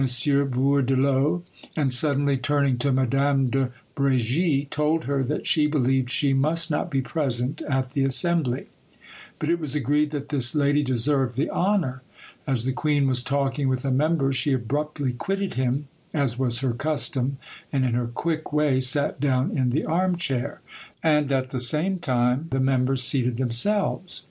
Bourdelot; and suddenly turning to Madame de Bregis, told her that she believed she must not be present at the assembly; but it was agreed that this lady deserved the honour. As the queen was talking with a member she abruptly quitted him, as was her custom, and in her quick way sat down in the arm chair; and at the same time the members seated themselves.